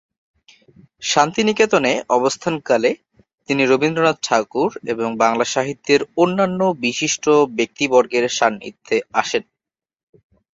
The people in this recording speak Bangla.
শান্তিনিকেতনে অবস্থানকালে, তিনি রবীন্দ্রনাথ ঠাকুর এবং বাংলা সাহিত্যের অন্যান্য বিশিষ্ট ব্যক্তিবর্গের সান্নিধ্যে আসেন।